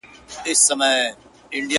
د تورو شپو پر تك تور تخت باندي مــــــا.